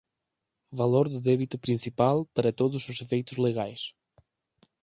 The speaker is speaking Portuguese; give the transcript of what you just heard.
valor do débito principal, para todos os efeitos legais.